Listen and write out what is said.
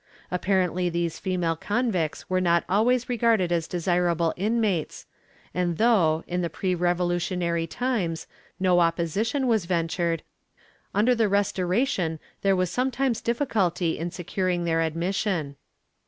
Apparently these female convicts were not always regarded as desirable inmates and though, in the pre revolutionary times, no opposition was ventured, under the Restoration there was some times difficulty in securing their admission.